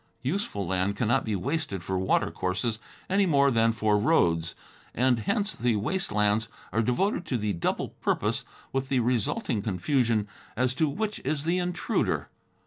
Useful land cannot be wasted for watercourses any more than for roads, and hence the waste lands are devoted to the double purpose, with the resulting confusion as to which is the intruder.